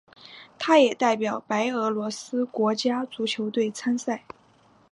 他也代表白俄罗斯国家足球队参赛。